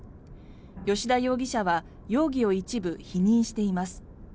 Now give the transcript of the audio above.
吉田容疑者は容疑を一部否認しています。